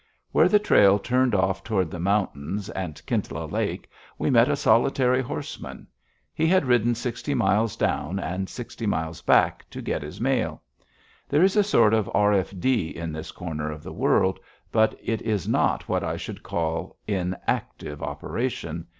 Where the trail turned off toward the mountains and Kintla Lake, we met a solitary horseman. He had ridden sixty miles down and sixty miles back to get his mail. There is a sort of R.F.D. in this corner of the world, but it is not what I should call in active operation.